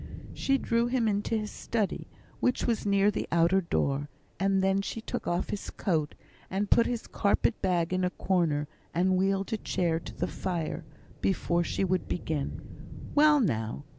She drew him into his study, which was near the outer door, and then she took off his coat, and put his carpet bag in a corner, and wheeled a chair to the fire, before she would begin. "Well, now!